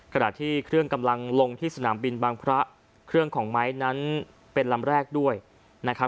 ขณะที่เครื่องกำลังลงที่สนามบินบางพระเครื่องของไม้นั้นเป็นลำแรกด้วยนะครับ